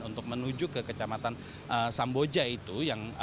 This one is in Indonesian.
untuk menuju ke kecamatan samboja itu